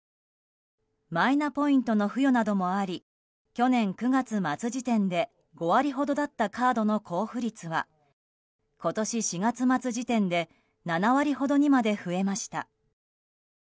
マイナポイントの付与などもあり去年９月末時点で５割ほどだったカードの交付率は今年４月末時点で７割ほどにまで増えました。